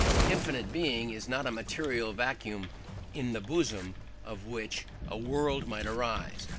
Infinite Being is not a material vacuum "in the bosom" of which a world might arise.